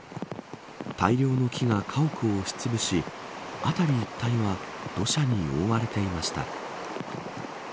大量の木が家屋を押しつぶし辺り一帯は土砂に覆われていました。